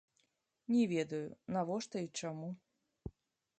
Не ведаю, навошта і чаму.